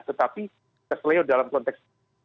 tetapi keselio dalam konteks